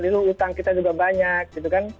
itu utang kita juga banyak gitu kan